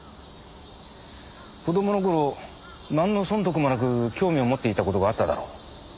子供の頃なんの損得もなく興味を持っていた事があっただろう？